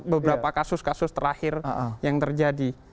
beberapa kasus kasus terakhir yang terjadi